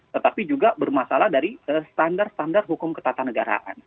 tetapi juga bermasalah dari standar standar hukum ketatanegaraan